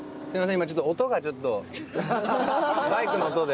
今ちょっと音がちょっとバイクの音で。